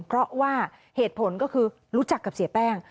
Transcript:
เพราะว่าเหตุผลก็คือรู้จักกับเสียแป้ง